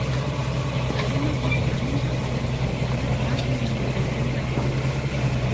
Algunos medicamentos pueden contener más de un ingrediente activo.